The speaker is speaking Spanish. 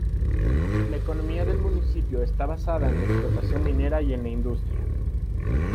La economía del municipio está basada en la explotación minera y en la industria.